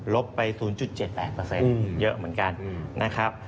ไป๐๗๘เยอะเหมือนกันนะครับ